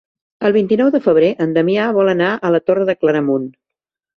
El vint-i-nou de febrer en Damià vol anar a la Torre de Claramunt.